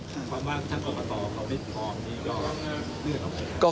ความว่าถ้ากรกฎเขาไม่พร้อมดีหรือ